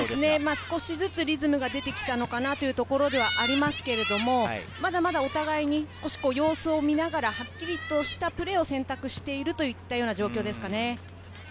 少しずつリズムが出てきたというところではありますが、まだお互いに様子を見ながら、はっきりとしたプレーを選択しているという状況ですかね。